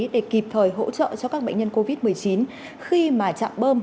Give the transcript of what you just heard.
để kịp thời hỗ trợ cho các bệnh nhân covid một mươi chín khi mà trạm bơm